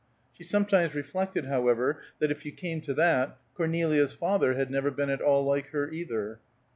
She sometimes reflected, however, that if you came to that, Cornelia's father had never been at all like her, either.